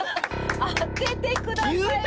当ててくださいました。